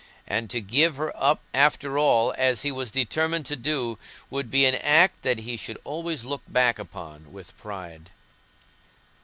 And to give her up after all, as he was determined to do, would be an act that he should always look back upon with pride.